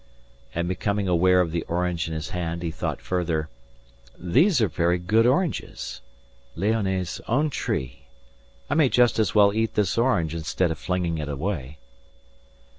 And becoming aware of the orange in his hand he thought further, "These are very good oranges. Leonie's own tree. I may just as well eat this orange instead of flinging it away."